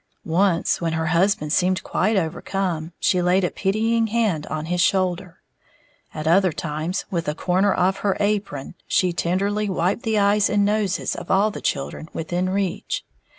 Once, when her husband seemed quite overcome, she laid a pitying hand on his shoulder; at other times, with a corner of her apron she tenderly wiped the eyes and noses of all the children within reach.